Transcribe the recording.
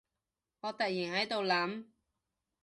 我突然喺度諗